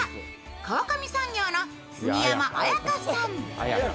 川上産業の杉山彩香さん。